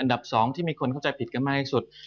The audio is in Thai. ดับ๒ที่มีคนเข้าใจผิดกันมากที่สุด